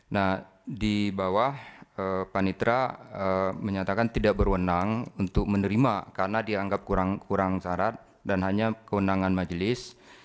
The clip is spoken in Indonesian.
nah di bawah panitra menyatakan tidak berwenang untuk menerima karena dianggap kurang syarat dan hanya kewenangan majelis